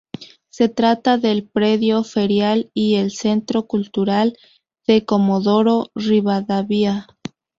Se trata del Predio Ferial y el Centro Cultural de Comodoro Rivadavia.